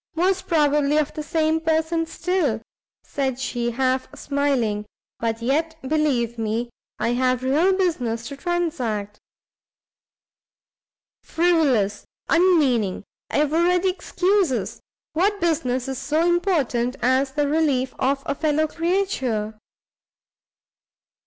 "Most probably of the same person still!" said she, half smiling, "but yet believe me, I have real business to transact." "Frivolous, unmeaning, ever ready excuses! what business is so important as the relief of a fellow creature?"